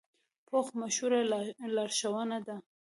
پوخ مشوره لارښوونه ده